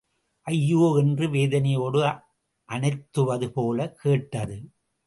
ஐயோ! என்று வேதனையோடு அனத்துவது போலக் கேட்டது.